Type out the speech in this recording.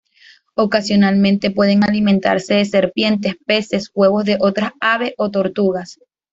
Ocasionalmente pueden alimentarse de serpientes, peces, huevos de otras aves o tortugas.